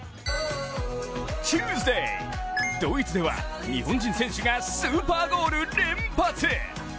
チューズデー、ドイツでは日本人選手がスーパーゴール連発！